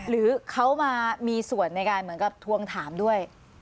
หรือเขามามีส่วนในการเหมือนกับทวงถามด้วย